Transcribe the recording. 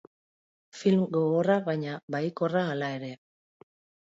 Film gogorra baina baikorra hala ere.